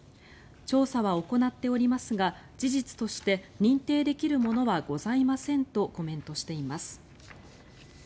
調査は行っておりますが事実として認定できるものはございませんとコメントしています。